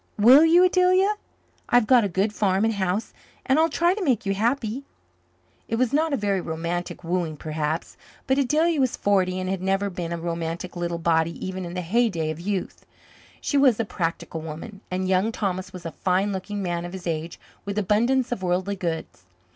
Will you, Adelia? I've got a good farm and house, and I'll try to make you happy." It was not a very romantic wooing, perhaps. But Adelia was forty and had never been a romantic little body even in the heyday of youth. She was a practical woman, and Young Thomas was a fine looking man of his age with abundance of worldly goods.